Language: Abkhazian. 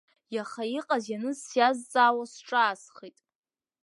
Иаха иҟаз-ианыз сиазҵаауа сҿаасхеит.